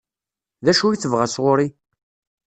D acu i tebɣa sɣur-i?